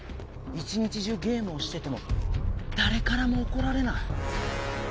一日中ゲームをしてても誰からも怒られない。